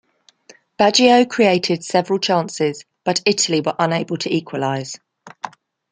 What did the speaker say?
Baggio created several chances, but Italy were unable to equalise.